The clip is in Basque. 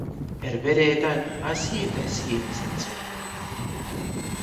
Herbehereetan hazi eta hezia izan zen.